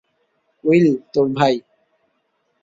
Will, তোর ভাই!